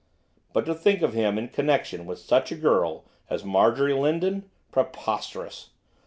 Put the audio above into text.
But to think of him in connection with such a girl as Marjorie Lindon, preposterous!